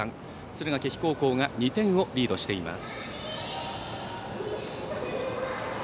敦賀気比高校が２点リードしています。